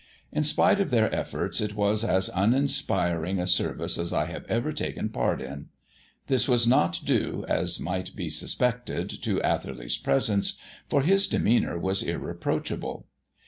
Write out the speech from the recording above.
In spite of their efforts it was as uninspiring a service as I have ever taken part in. This was not due, as might be suspected, to Atherley's presence, for his demeanour was irreproachable.